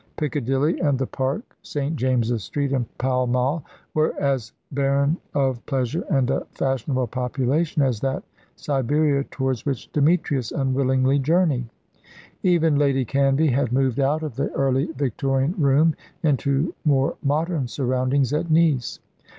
Piccadilly and the Park, St. James's Street and Pall Mall, were as barren of pleasure and a fashionable population as that Siberia towards which Demetrius unwillingly journeyed. Even Lady Canvey had moved out of the Early Victorian room into more modern surroundings at Nice.